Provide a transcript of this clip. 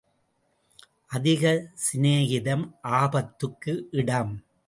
அதிகச் சிநேகிதம் ஆபத்துக்கு இடம்.